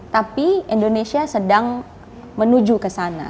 tapi ini juga sedang menuju ke sana